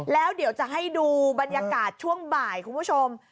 แล้วเดี๋ยวจะให้ดูบรรยากาศช่วงบ่ายคุณผู้ชม